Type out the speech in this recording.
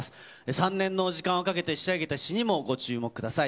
３年の時間をかけて仕上げた詞にもご注目ください。